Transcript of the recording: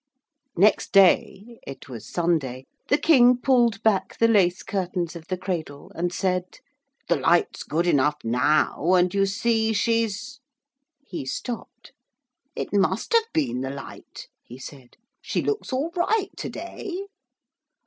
Next day it was Sunday the King pulled back the lace curtains of the cradle and said: 'The light's good enough now and you see she's ' He stopped. 'It must have been the light,' he said, 'she looks all right to day.'